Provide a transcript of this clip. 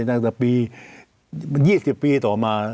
ตั้งแต่ปี๒๐ปีต่อมา